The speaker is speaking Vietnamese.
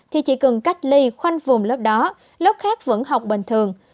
thì chỉ cần cách ly khoanh vùng lớp đó lớp khác vẫn học bình thường